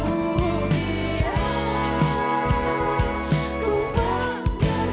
biar ku berpaling dahulu